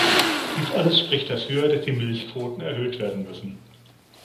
Dies alles spricht dafür, dass die Milchquoten erhöht werden müssen.